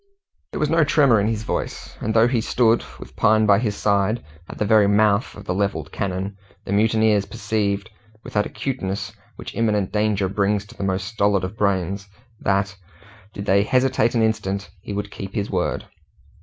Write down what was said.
There was no tremor in his voice, and though he stood, with Pine by his side, at the very mouth of the levelled cannon, the mutineers perceived, with that acuteness which imminent danger brings to the most stolid of brains, that, did they hesitate an instant, he would keep his word.